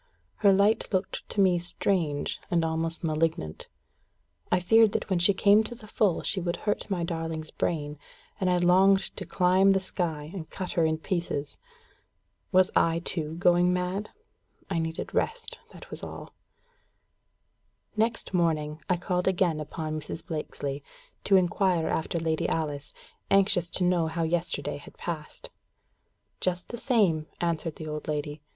Her light looked to me strange, and almost malignant. I feared that when she came to the full she would hurt my darling's brain, and I longed to climb the sky, and cut her in pieces. Was I too going mad? I needed rest, that was all. Next morning, I called again upon Mrs. Blakesley, to inquire after Lady Alice, anxious to know how yesterday had passed. "Just the same," answered the old lady.